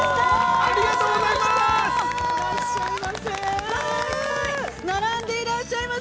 ◆ありがとうございます！